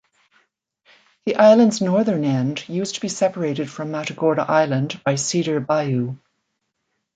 The island's northern end used to be separated from Matagorda Island by Cedar Bayou.